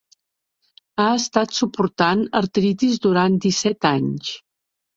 He estat suportant artritis durant disset anys.